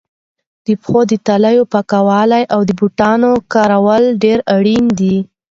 د پښو د تلو پاکوالی او د بوټانو کارول ډېر اړین دي.